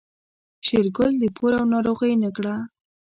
شېرګل د پور او ناروغۍ نه کړه.